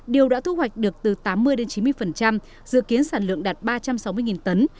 điều đã thu hoạch được từ tám mươi chín mươi dự kiến sản lượng đạt ba trăm sáu mươi tấn